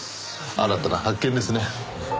新たな発見ですね。